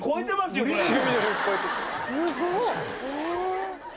すごい！え！